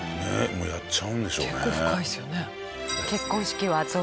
もうやっちゃうんでしょうね。